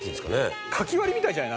「書き割りみたいじゃない？